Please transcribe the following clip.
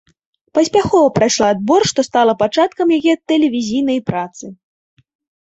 Паспяхова прайшла адбор, што стала пачаткам яе тэлевізійнай працы.